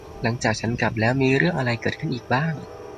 หลังจากฉับกลับแล้ว มีเรื่องอะไรเกิดขึ้นอีกบ้าง